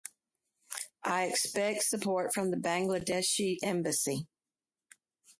I expect support from the Bangladeshi embassy.